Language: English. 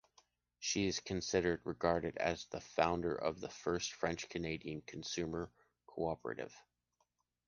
She is considered/regarded as the founder of the first French-Canadian consumer cooperative.